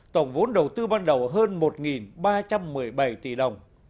tổng vốn đầu tư ban đầu hơn một ba trăm một mươi bảy tỷ đồng